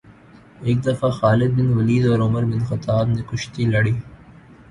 دفعہ Khalid bin Walid اور Umar bin Khattab نے کشتی لڑی